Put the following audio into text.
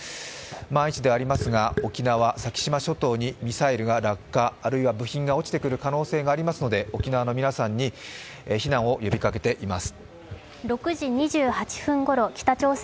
万一ではありますが沖縄・先島諸島にミサイルが落下、あるいは部品が落ちてくる可能性がありますので、沖縄の皆さんに避難を呼びかけています。